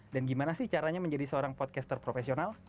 dan gimana sih caranya menjadi seorang podcaster profesional